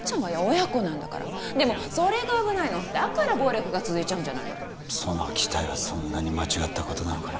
親子なんだからでもそれが危ないのだから暴力が続いちゃうんじゃないのよその期待はそんなに間違ったことなのかな